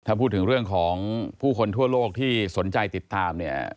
ถ้าพูดถึงเรื่องของผู้คนทั่วโลกที่สนใจติดตามเนี่ย